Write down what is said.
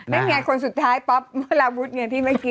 นั่นไงคนสุดท้ายป๊อปลาบุ๊ดเนี่ยที่เมื่อกี้